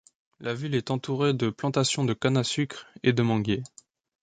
La ville est entourée de plantations de canne à sucre et de manguiers.